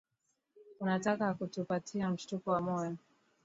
Unataka kutupatia mshtuko wa moyo